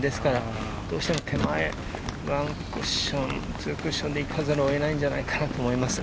どうしても手前、ワンクッション、ツークッションで行くのがのれないんじゃないかなと思います。